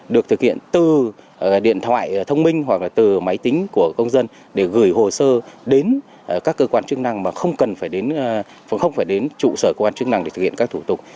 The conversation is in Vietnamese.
được thực hiện từ điện thoại thông minh hoặc là từ máy tính của công dân để gửi hồ sơ đến các cơ quan chức năng mà không cần phải không phải đến trụ sở cơ quan chức năng để thực hiện các thủ tục